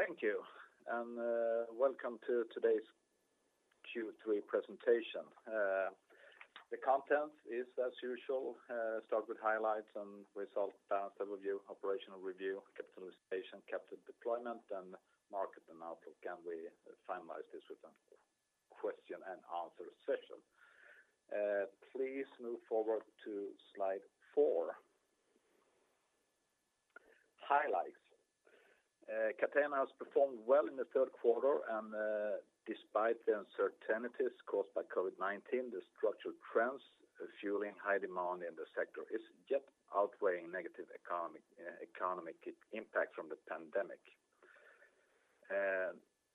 Thank you. Welcome to today's Q3 presentation. The content is as usual. Start with highlights and results, balance overview, operational review, capitalization, capital deployment, and market and outlook. We finalize this with a question and answer session. Please move forward to slide four. Highlights. Catena has performed well in the third quarter, and despite the uncertainties caused by COVID-19, the structural trends fueling high demand in the sector is yet outweighing negative economic impact from the pandemic.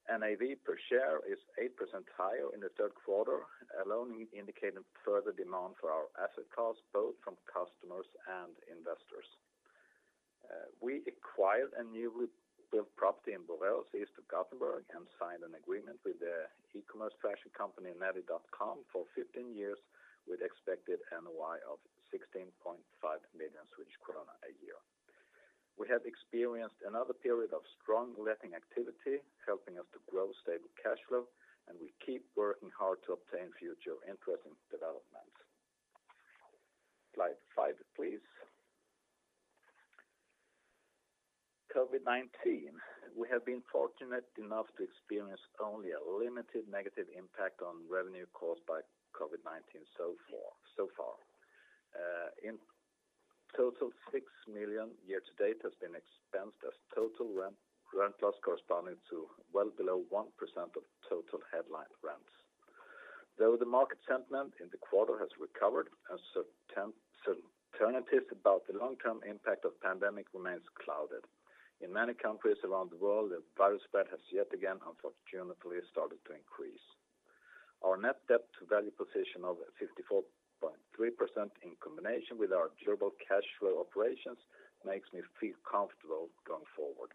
NAV per share is 8% higher in the third quarter alone, indicating further demand for our asset class, both from customers and investors. We acquired a newly built property in Borås, east of Gothenburg, and signed an agreement with the e-commerce fashion company, Nelly.com for 15 years with expected NOI of 16.5 million Swedish krona a year. We have experienced another period of strong letting activity, helping us to grow stable cash flow. We keep working hard to obtain future interesting developments. Slide five, please. COVID-19. We have been fortunate enough to experience only a limited negative impact on revenue caused by COVID-19 so far. In total, 6 million year to date has been expensed as total rent loss corresponding to well below 1% of total headline rents. The market sentiment in the quarter has recovered as uncertainties about the long-term impact of pandemic remains clouded. In many countries around the world, the virus spread has yet again, unfortunately, started to increase. Our net debt to value position of 54.3% in combination with our durable cash flow operations makes me feel comfortable going forward.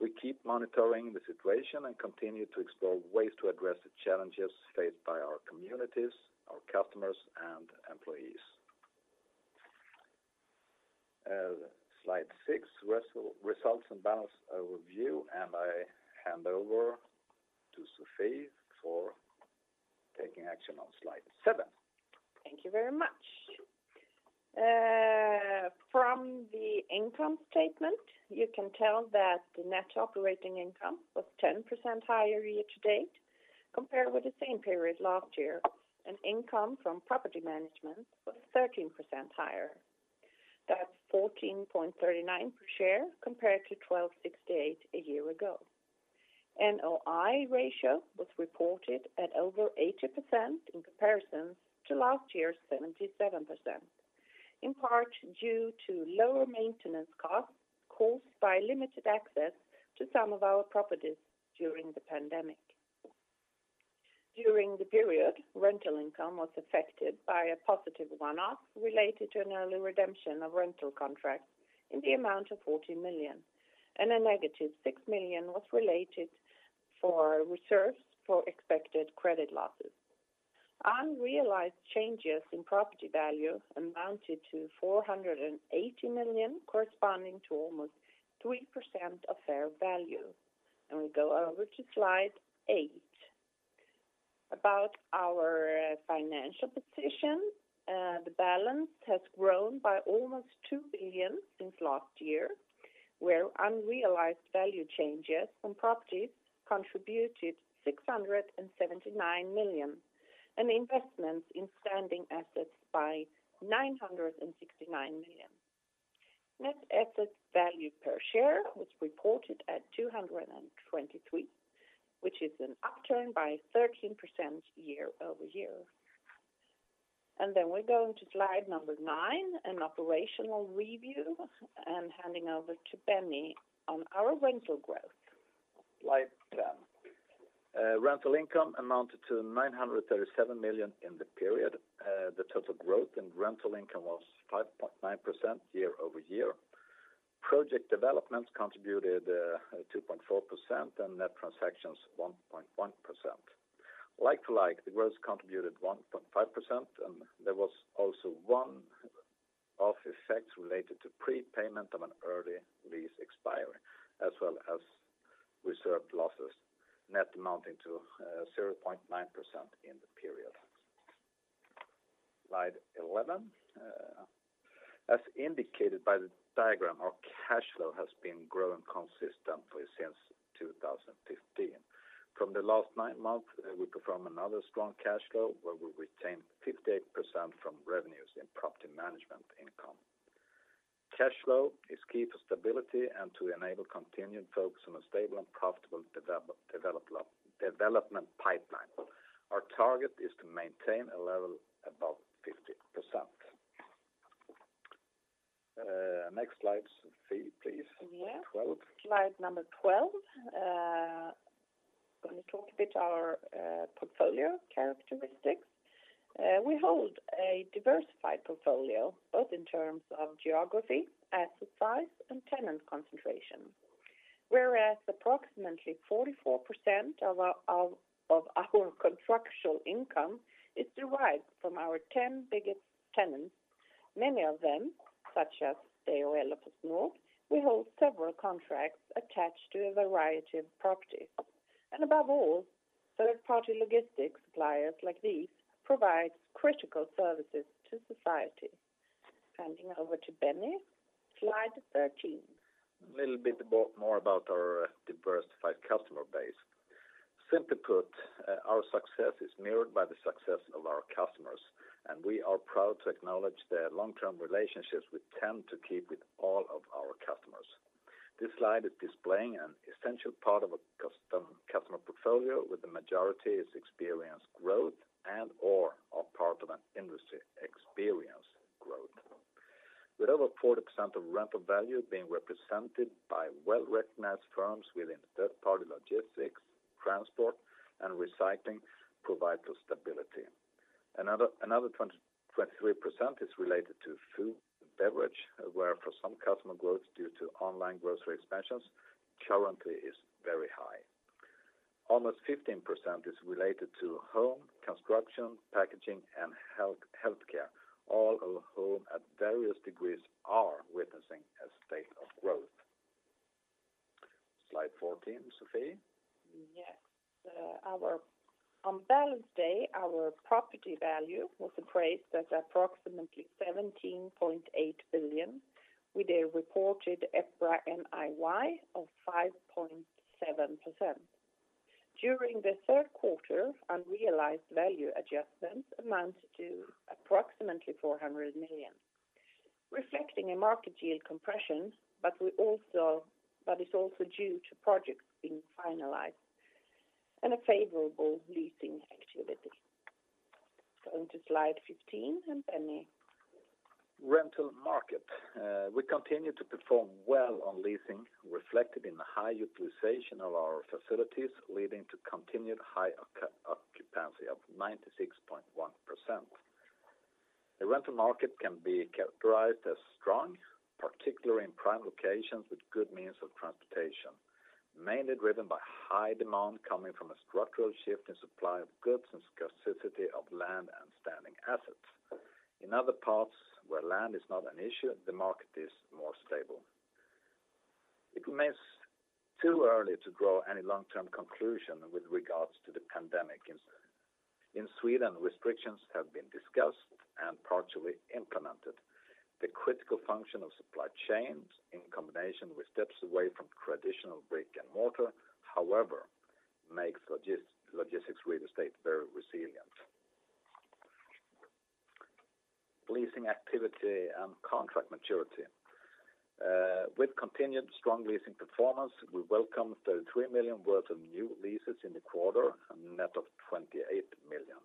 We keep monitoring the situation and continue to explore ways to address the challenges faced by our communities, our customers, and employees. Slide six, results and balance overview, and I hand over to Sofie for taking action on slide seven. Thank you very much. From the income statement, you can tell that the net operating income was 10% higher year to date compared with the same period last year, and income from property management was 13% higher. That's 14.39 per share compared to 12.68 a year ago. NOI ratio was reported at over 80% in comparison to last year's 77%, in part due to lower maintenance costs caused by limited access to some of our properties during the pandemic. During the period, rental income was affected by a positive one-off related to an early redemption of rental contracts in the amount of 40 million, and a negative 6 million was related for reserves for expected credit losses. Unrealized changes in property value amounted to 480 million, corresponding to almost 3% of fair value. We go over to slide eight. About our financial position. The balance has grown by almost 2 billion since last year, where unrealized value changes from properties contributed 679 million, and investments in standing assets by 969 million. Net asset value per share was reported at 223, which is an upturn by 13% year-over-year. We go into slide number nine, an operational review, and handing over to Benny on our rental growth. Slide 10. Rental income amounted to 937 million in the period. The total growth in rental income was 5.9% year-over-year. Project developments contributed 2.4% and net transactions 1.1%. Like-for-like, the growth contributed 1.5% and there was also one-off effects related to prepayment of an early lease expiry, as well as reserved losses net amounting to 0.9% in the period. Slide 11. As indicated by the diagram, our cash flow has been growing consistently since 2015. From the last nine months, we performed another strong cash flow where we retained 58% from revenues in property management income. Cash flow is key to stability and to enable continued focus on a stable and profitable development pipeline. Our target is to maintain a level above 50%. Next slide, Sofie, please. 12. Yeah. Slide number 12. Going to talk a bit our portfolio characteristics. We hold a diversified portfolio, both in terms of geography, asset size, and tenant concentration. Approximately 44% of our contractual income is derived from our 10 biggest tenants. Many of them, such as DHL or PostNord, we hold several contracts attached to a variety of properties. Above all, third-party logistics suppliers like these provide critical services to society. Handing over to Benny. Slide 13. A little bit more about our diversified customer base. Simply put, our success is mirrored by the success of our customers, and we are proud to acknowledge the long-term relationships we tend to keep with all of our customers. This slide is displaying an essential part of a customer portfolio with the majority is experienced growth and/or are part of an industry experienced growth. With over 40% of rental value being represented by well-recognized firms within third-party logistics, transport and recycling provide stability. Another 23% is related to food and beverage, where for some customer growth due to online grocery expansions currently is very high. Almost 15% is related to home construction, packaging, and healthcare, all of whom at various degrees are witnessing a state of growth. Slide 14, Sofie. Yes. On balance day, our property value was appraised at approximately 17.8 billion, with a reported EPRA NIY of 5.7%. During the third quarter, unrealized value adjustments amount to approximately 400 million, reflecting a market yield compression, but it's also due to projects being finalized and a favorable leasing activity. Going to slide 15, Benny. Rental market. We continue to perform well on leasing, reflected in the high utilization of our facilities, leading to continued high occupancy of 96.1%. The rental market can be characterized as strong, particularly in prime locations with good means of transportation, mainly driven by high demand coming from a structural shift in supply of goods and scarcity of land and standing assets. In other parts where land is not an issue, the market is more stable. It remains too early to draw any long-term conclusion with regards to the pandemic. In Sweden, restrictions have been discussed and partially implemented. The critical function of supply chains, in combination with steps away from traditional brick-and-mortar, however, makes logistics real estate very resilient. Leasing activity and contract maturity. With continued strong leasing performance, we welcome 33 million worth of new leases in the quarter, a net of 28 million.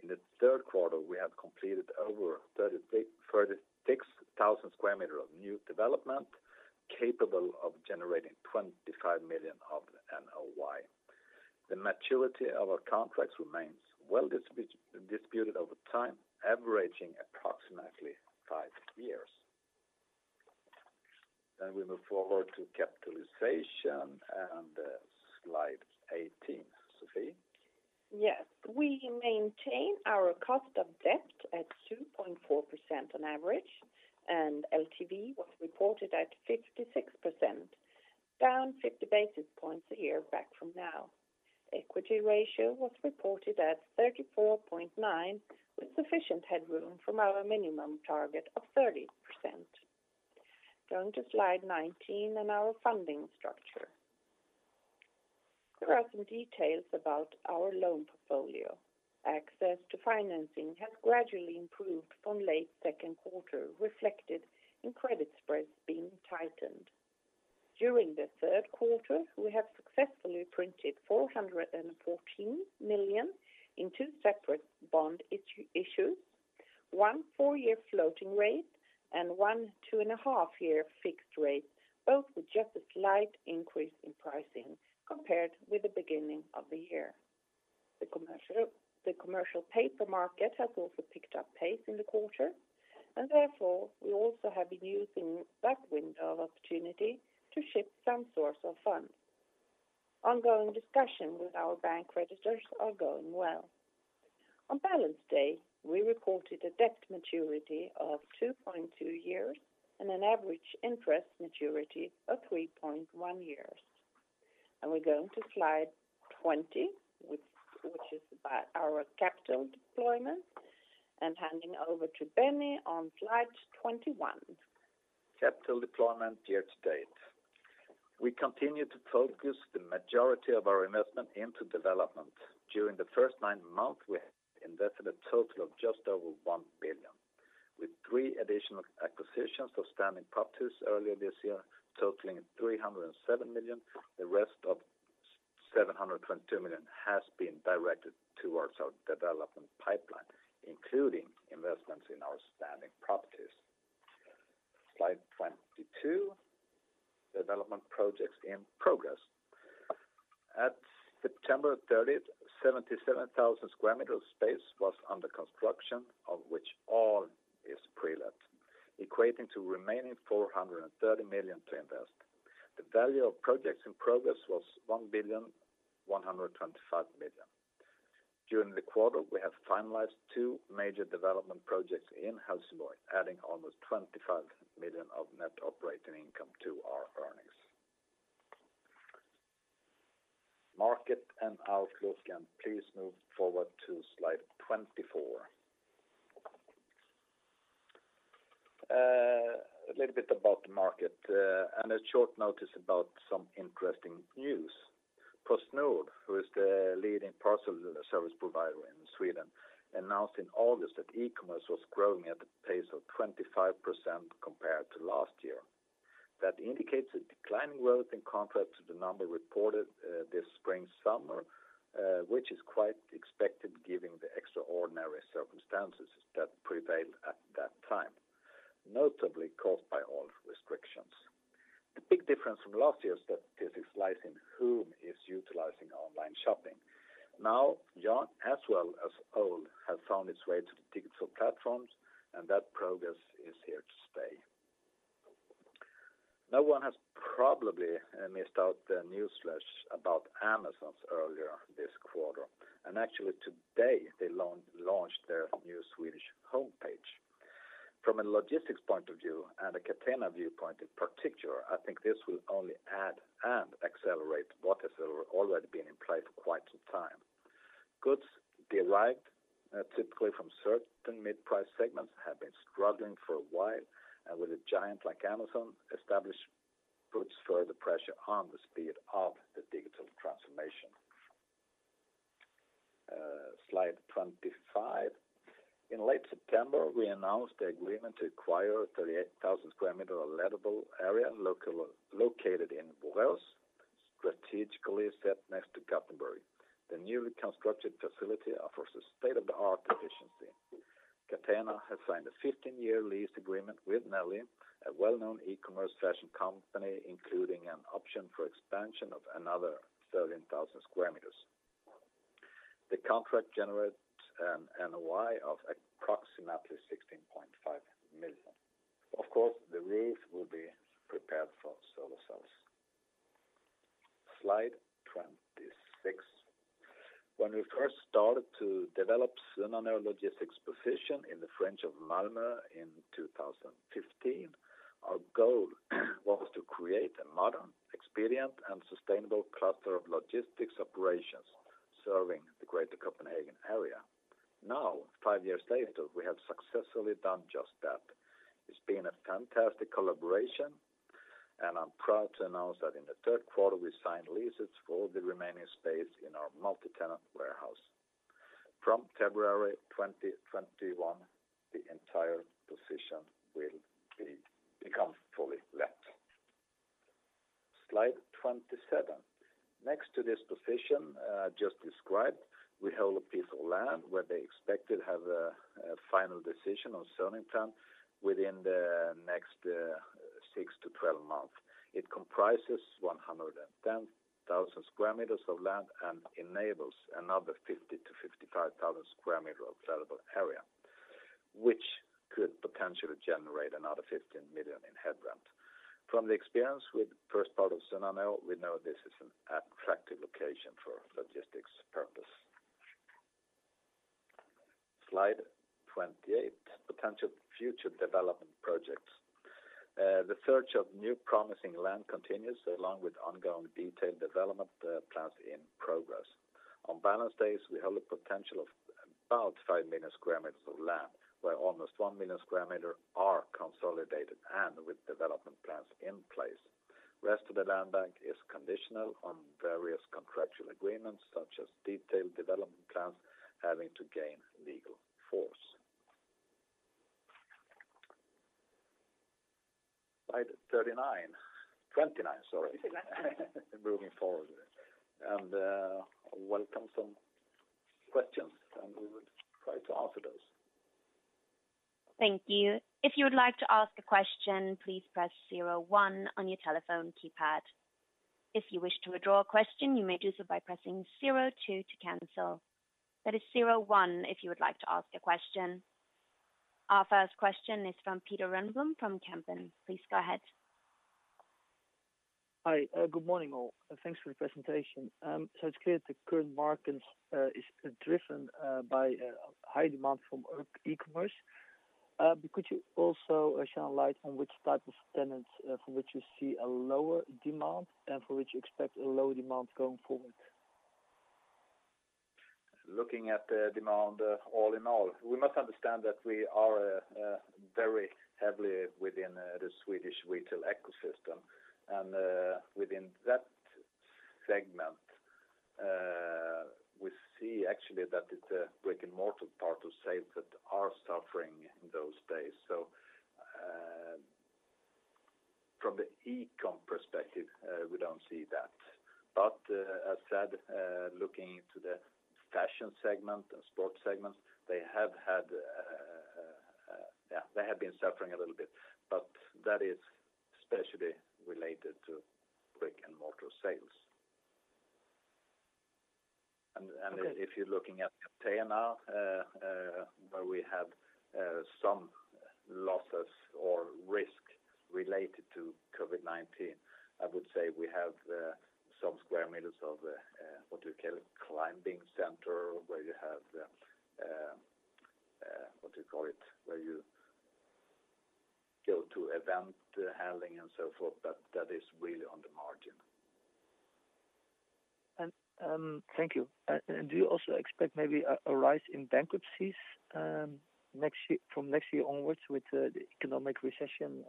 In the third quarter, we have completed over 36,000 sq m of new development, capable of generating 25 million of NOI. The maturity of our contracts remains well-distributed over time, averaging approximately five years. We move forward to capitalization and slide 18. Sofie. Yes. We maintain our cost of debt at 2.4% on average, and LTV was reported at 56%, down 50 basis points a year back from now. Equity ratio was reported at 34.9%, with sufficient headroom from our minimum target of 30%. Going to slide 19 and our funding structure. Here are some details about our loan portfolio. Access to financing has gradually improved from late second quarter, reflected in credit spreads being tightened. During the third quarter, we have successfully printed 414 million in two separate bond issues, one, four-year floating rate, and one, two-and-a-half year fixed rate, both with just a slight increase in pricing compared with the beginning of the year. The commercial paper market has also picked up pace in the quarter, and therefore, we also have been using that window of opportunity to shift some source of funds. Ongoing discussion with our bank creditors are going well. On balance day, we reported a debt maturity of 2.2 years and an average interest maturity of 3.1 years. We're going to slide 20, which is about our capital deployment. Handing over to Benny on slide 21. Capital deployment year to date. We continue to focus the majority of our investment into development. During the first nine months, we have invested a total of just over 1 billion. With three additional acquisitions of standing properties earlier this year totaling 307 million, the rest of 722 million has been directed towards our development pipeline, including investments in our standing properties. Slide 22, development projects in progress. At September 30th, 77,000 sq m of space was under construction, of which all is pre-let, equating to remaining 430 million to invest. The value of projects in progress was 1.125 billion. During the quarter, we have finalized two major development projects in Helsingborg, adding almost 25 million of net operating income to our earnings. Market and outlook. Can please move forward to slide 24. A little bit about the market and a short notice about some interesting news. PostNord, who is the leading parcel service provider in Sweden, announced in August that e-commerce was growing at a pace of 25% compared to last year. That indicates a declining growth in contrast to the number reported this spring, summer, which is quite expected given the extraordinary circumstances that prevailed at that time, notably caused by all restrictions. The big difference from last year lies in whom is utilizing online shopping. Now, young, as well as old, has found its way to the digital platforms, that progress is here to stay. No one has probably missed out the news flash about Amazon earlier this quarter. Actually today, they launched their new Swedish homepage. From a logistics point of view and a Catena viewpoint in particular, I think this will only add and accelerate what has already been in place for quite some time. Goods derived, typically from certain mid-price segments, have been struggling for a while, and with a giant like Amazon establish puts further pressure on the speed of the digital transformation. Slide 25. In late September, we announced the agreement to acquire 38,000 sq m lettable area located in Borås, strategically set next to Gothenburg. The newly constructed facility offers a state-of-the-art efficiency. Catena has signed a 15-year lease agreement with Nelly, a well-known e-commerce fashion company, including an option for expansion of another 13,000 sq m. The contract generates an NOI of approximately 16.5 million. Of course, the raise will be prepared for solar cells. Slide 26. When we first started to develop Sunnanå Logistikposition in the fringes of Malmö in 2015, our goal was to create a modern, expedient, and sustainable cluster of logistics operations serving the greater Copenhagen area. Now, five years later, we have successfully done just that. It's been a fantastic collaboration, I'm proud to announce that in the third quarter, we signed leases for the remaining space in our multi-tenant warehouse. From February 2021, the entire position will become fully let. Slide 27. Next to this position just described, we hold a piece of land where they expected have a final decision on zoning plan within the next six months-12 months. It comprises 110,000 sq m of land and enables another 50,000 sq m-55,000 sq m of lettable area, which could potentially generate another 15 million in headline rent. From the experience with first part of Sunnanå, we know this is an attractive location for logistics purpose. Slide 28, potential future development projects. The search of new promising land continues, along with ongoing detailed development plans in progress. On balance days, we held a potential of about 5 million sq m of land, where almost 1 million square meter are consolidated and with development plans in place. Rest of the land bank is conditional on various contractual agreements, such as detailed development plans having to gain legal force. Slide 39, 29, sorry. Moving forward. Welcome some questions, and we will try to answer those. Thank you. If you would like to ask a question, please press star zero one on your telephone keypad. If you wish to withdraw your a question, you may do so by pressing zero two to cancel. That is zero one to ask a question. Our first question is from Pieter Runneboom from Kempen. Please go ahead. Hi. Good morning, all. Thanks for the presentation. It's clear the current market is driven by high demand from e-commerce. Could you also shine a light on which type of tenants for which you see a lower demand, and for which you expect a low demand going forward? Looking at the demand all in all, we must understand that we are very heavily within the Swedish retail ecosystem. Within that segment, we see actually that it's the brick-and-mortar part of sales that are suffering in those days. From the e-com perspective, we don't see that. As said, looking into the fashion segment and sports segments, they have been suffering a little bit, but that is especially related to brick-and-mortar sales. If you're looking at Catena now, where we have some losses or risk related to COVID-19, I would say we have some square meters of what you call climbing center, where you have event handling and so forth, but that is really on the margin. Thank you. Do you also expect maybe a rise in bankruptcies from next year onwards with the economic recession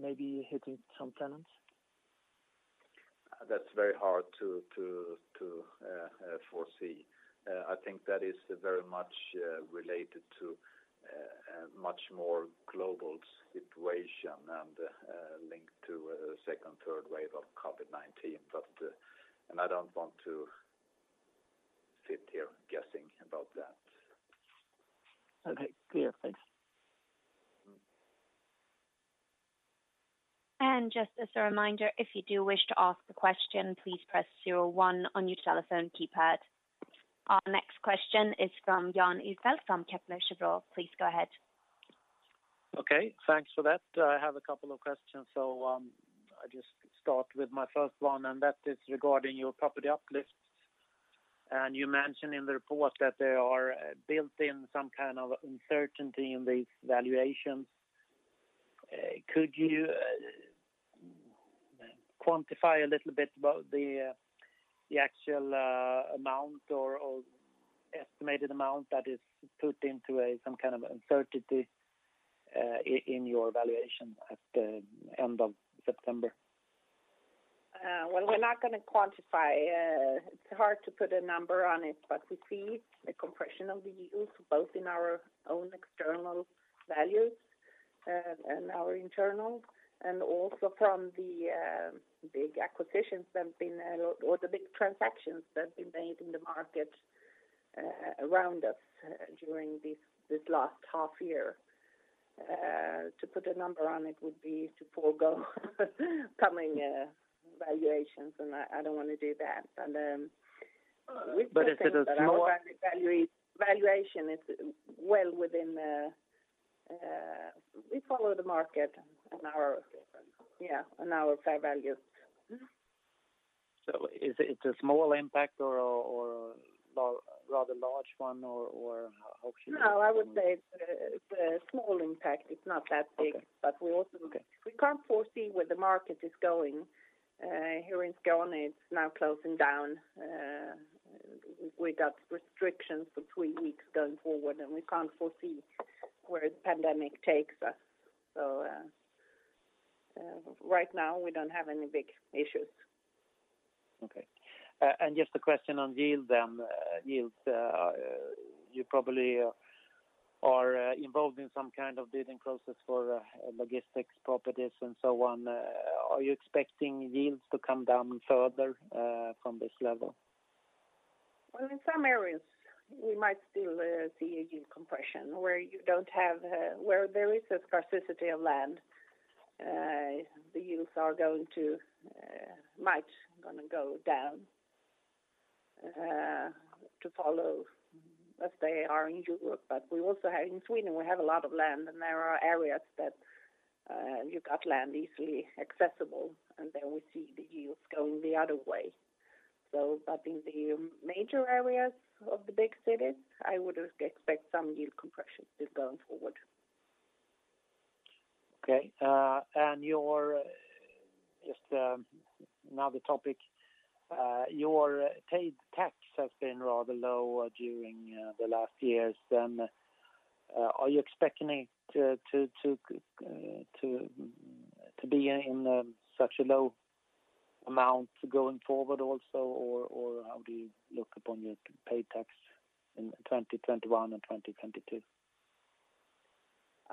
maybe hitting some tenants? That's very hard to foresee. I think that is very much related to much more global situation and linked to a second, third wave of COVID-19. I don't want to sit here guessing about that. Okay, clear. Thanks. Just as a reminder, if you do wish to ask a question, please press zero one on your telephone keypad. Our next question is from Jan Ihrfelt from Kepler Cheuvreux. Please go ahead. Okay, thanks for that. I have a couple of questions. I just start with my first one, and that is regarding your property uplifts. You mentioned in the report that there are built in some kind of uncertainty in these valuations. Could you quantify a little bit about the actual amount or estimated amount that is put into some kind of uncertainty in your valuation at the end of September? Well, we're not going to quantify. It's hard to put a number on it, but we see the compression of the yields, both in our own external values and our internal, and also from the big acquisitions or the big transactions that have been made in the market around us during this last half year. To put a number on it would be to forego coming valuations, and I don't want to do that. But is it a small- We follow the market on our fair value. Is it a small impact or a rather large one? No, I would say it's a small impact. It's not that big. Okay. We can't foresee where the market is going. Here in Skåne, it's now closing down. We got restrictions for three weeks going forward, we can't foresee where the pandemic takes us. Right now, we don't have any big issues. Okay. Just a question on yields then. You probably are involved in some kind of bidding process for logistics properties and so on. Are you expecting yields to come down further from this level? Well, in some areas, we might still see a yield compression where there is a scarcity of land. The yields are going to go down to follow as they are in Europe. In Sweden, we have a lot of land, and there are areas that you got land easily accessible, and there we see the yields going the other way. In the major areas of the big cities, I would expect some yield compression still going forward. Okay. Just another topic. Your paid tax has been rather low during the last years. Are you expecting it to be in such a low amount going forward also, or how do you look upon your paid tax in 2021 and 2022?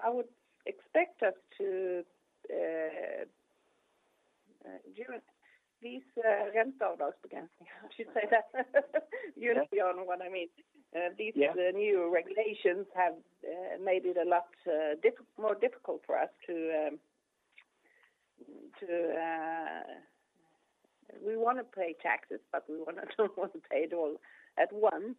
I would expect us to, during these ränteavdragsbegränsning. You should say that. You know what I mean. Yeah. These new regulations have made it a lot more difficult. We want to pay taxes, but we don't want to pay it all at once.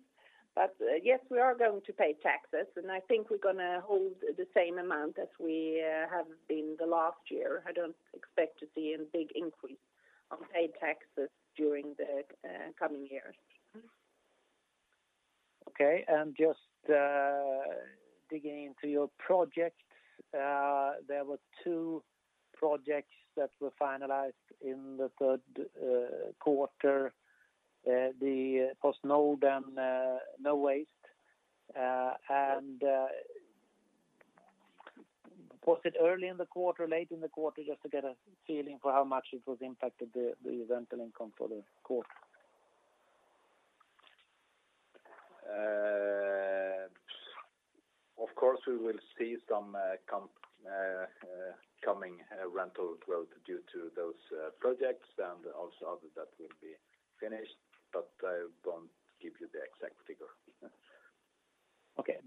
Yes, we are going to pay taxes, and I think we're going to hold the same amount as we have been the last year. I don't expect to see a big increase on paid taxes during the coming years. Okay, just digging into your projects. There were two projects that were finalized in the third quarter, the PostNord and Nowaste Logistics. Was it early in the quarter, late in the quarter? Just to get a feeling for how much it was impacted the rental income for the quarter. Of course, we will see some. Coming rental growth due to those projects and also others that will be finished,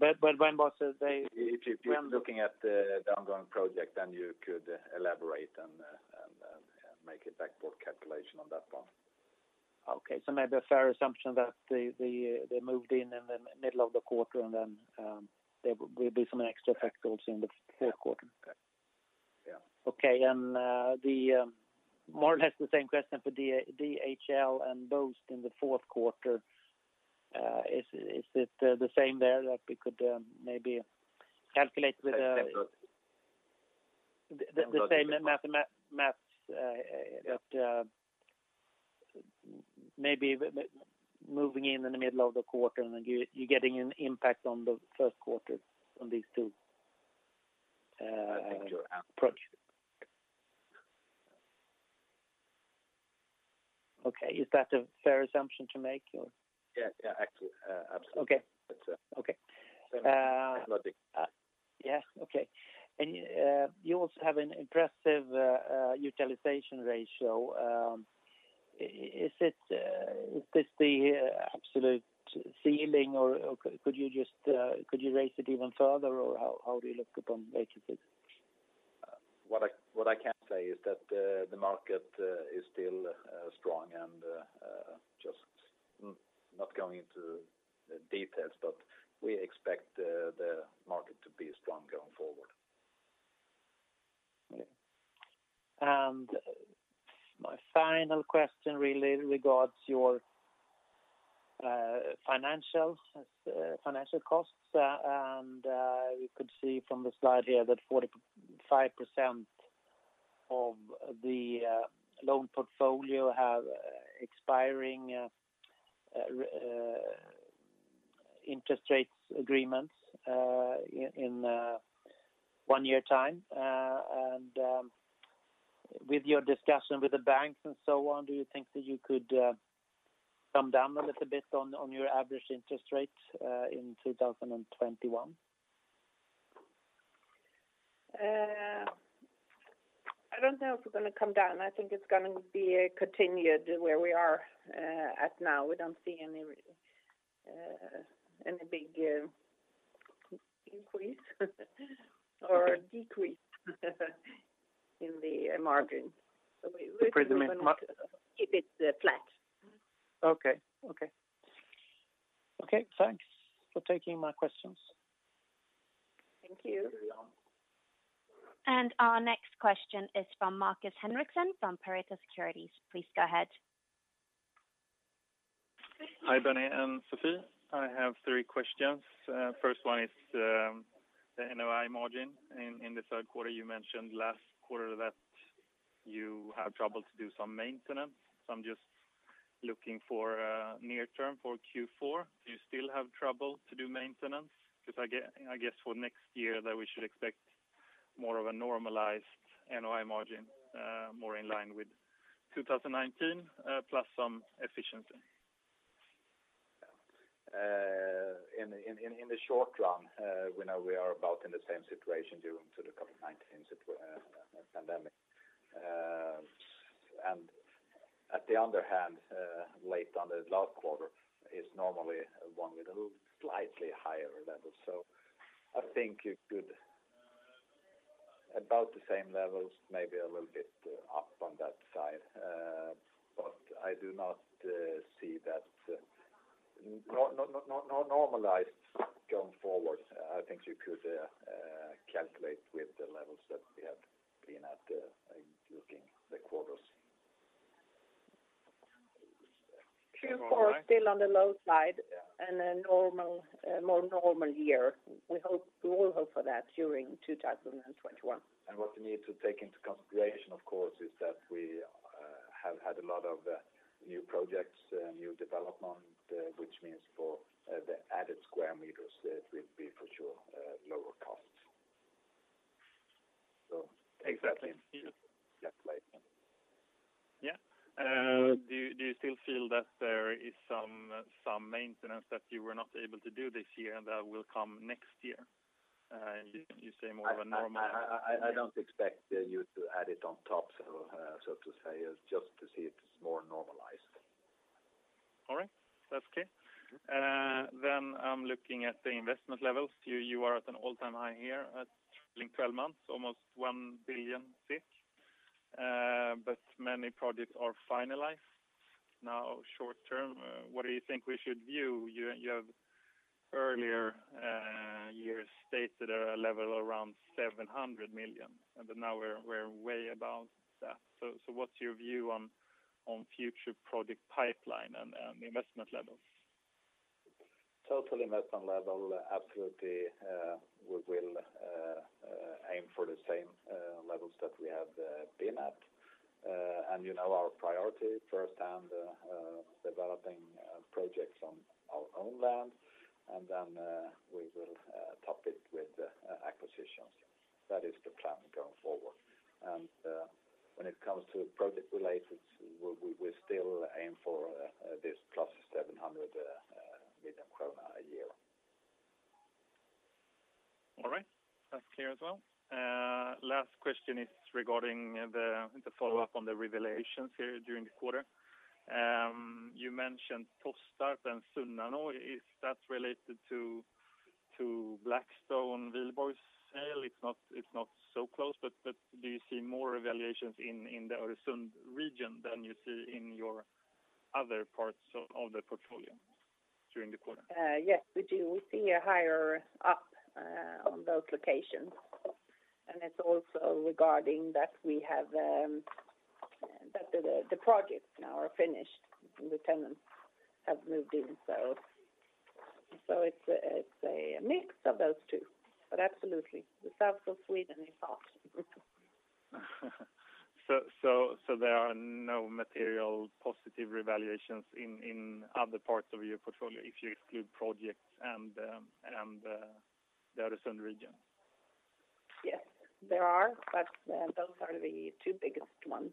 but I won't give you the exact figure. Okay. If you're looking at the ongoing project, then you could elaborate and make a back-port calculation on that one. Okay. Maybe a fair assumption that they moved in in the middle of the quarter and then there will be some extra effect also in the fourth quarter. Yeah. Okay. More or less the same question for DHL and Boozt in the fourth quarter. Is it the same there that we could maybe calculate with- Exactly The same maths at maybe moving in in the middle of the quarter and you're getting an impact on the first quarter on these approached. I think you're absolutely correct. Okay. Is that a fair assumption to make or? Yeah. Absolutely. Okay. That's the same logic. Yeah. Okay. You also have an impressive utilization ratio. Is this the absolute ceiling or could you raise it even further or how do you look upon vacancies? What I can say is that the market is still strong and just not going into the details, but we expect the market to be strong going forward. My final question really regards your financial costs. We could see from the slide here that 45% of the loan portfolio have expiring interest rates agreements in one year time. With your discussion with the banks and so on, do you think that you could come down a little bit on your average interest rates in 2021? I don't know if we're going to come down. I think it's going to be continued where we are at now. We don't see any big increase or decrease in the margin. You presume. Keep it flat. Okay. Thanks for taking my questions. Thank you. Our next question is from Markus Henriksson from Pareto Securities. Please go ahead. Hi, Benny and Sofie. I have three questions. First one is, the NOI margin in the third quarter. You mentioned last quarter that you have trouble to do some maintenance, so I'm just looking for near term for Q4. Do you still have trouble to do maintenance? Because I guess for next year that we should expect more of a normalized NOI margin, more in line with 2019, plus some efficiency. In the short run, we know we are about in the same situation due to the COVID-19 pandemic. At the other hand, late on the last quarter is normally one with a slightly higher level. I think you could about the same levels, maybe a little bit up on that side. I do not see that normalized going forward. I think you could calculate with the levels that we have been at, looking the quarters. Q4 still on the low side and a more normal year. We all hope for that during 2021. What we need to take into consideration, of course, is that we have had a lot of new projects, new development, which means for the added square meters, it will be for sure lower costs. Exactly. Just calculate them. Yeah. Do you still feel that there is some maintenance that you were not able to do this year and that will come next year? I don't expect you to add it on top, so to say. It's just to see it more normalized. All right. That's okay. I'm looking at the investment levels. You are at an all-time high here at trailing 12 months, almost 1 billion. Many projects are finalized now short term. What do you think we should view? You have earlier years stated a level around 700 million, now we're way above that. What's your view on future project pipeline and investment levels? Total investment level, absolutely. We will aim for the same levels that we have been at. You know our priority first hand, developing projects on our own land and then we will top it with acquisitions. That is the plan going forward. When it comes to project related, we still aim for this +700 [data for a year]. All right. That's clear as well. Last question is regarding the follow-up on the revaluations here during the quarter. You mentioned Tostarp and Sunnanå. Is that related to Blackstone Wihlborgs's sale? It's not so close but do you see more revaluations in the Öresund region than you see in your other parts of the portfolio during the quarter? Yes, we do. We see a higher up on those locations. It's also regarding that the projects now are finished and the tenants have moved in. It's a mix of those two. Absolutely, the south of Sweden is hot. There are no material positive revaluations in other parts of your portfolio if you exclude projects and the Öresund region? Yes. There are, but those are the two biggest ones.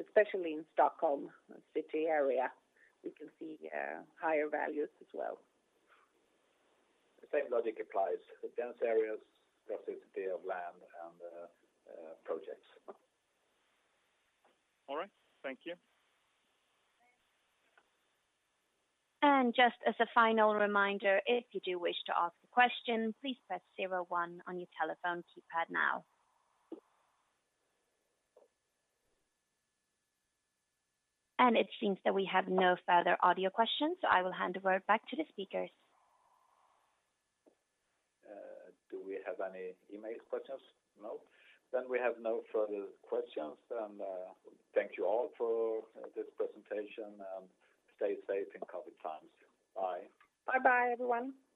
Especially in Stockholm city area, we can see higher values as well. The same logic applies to the dense areas, proximity of land, and projects. All right. Thank you. Just as a final reminder, if you do wish to ask a question, please press zero one on your telephone keypad now. It seems that we have no further audio questions, so I will hand over back to the speakers. Do we have any email questions? No. We have no further questions then. Thank you all for this presentation and stay safe in COVID times. Bye. Bye-bye, everyone. Bye.